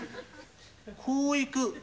こういく。